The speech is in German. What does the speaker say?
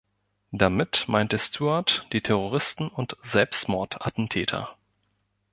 Damit meinte Stuart die Terroristen und Selbstmordattentäter.